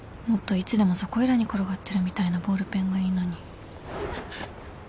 もっといつでもそこいらに転がってるみたいなボールペンがいいのに